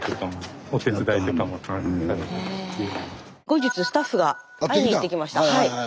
後日スタッフが会いに行ってきました。